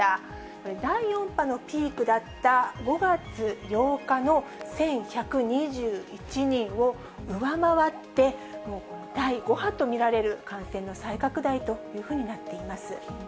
これ、第４波のピークだった５月８日の１１２１人を上回って、もう第５波と見られる感染の再拡大というふうになっています。